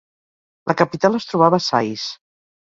La capital es trobava a Sais.